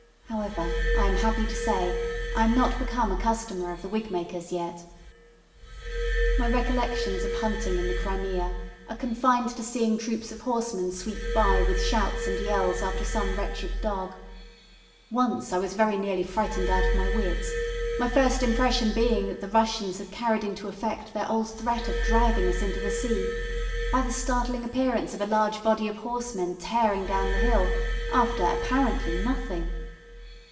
However, I am happy to say I am not become a customer of the wigmakers yet. My recollections of hunting in the Crimea are confined to seeing troops of horsemen sweep by with shouts and yells after some wretched dog. Once I was very nearly frightened out of my wits my first impression being that the Russians had carried into effect their old threat of driving us into the sea by the startling appearance of a large body of horsemen tearing down the hill after, apparently, nothing.